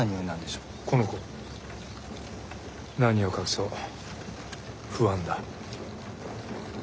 この子何を隠そう「不安」だ。